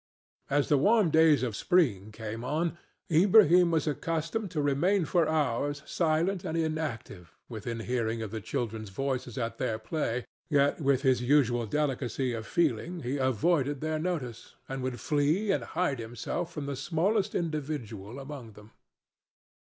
As the warm days of spring came on Ilbrahim was accustomed to remain for hours silent and inactive within hearing of the children's voices at their play, yet with his usual delicacy of feeling he avoided their notice, and would flee and hide himself from the smallest individual among them.